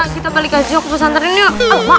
kita balik aja aku pesantren yuk